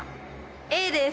Ａです！